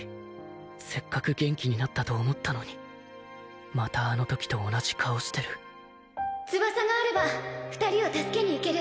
せっかく元気になったと思ったのにまたあのときと同じ顔してる翼があれば２人を助けに行ける